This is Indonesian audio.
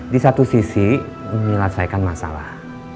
di satu sisi menyelesaikan masalah